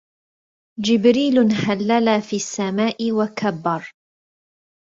جبريل هلل في السماء وكبر